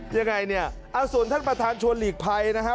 ยังไงเนี่ยเอาส่วนท่านประธานชวนหลีกภัยนะครับ